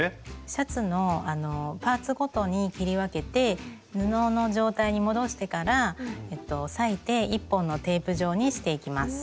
シャツのパーツごとに切り分けて布の状態に戻してから裂いて１本のテープ状にしていきます。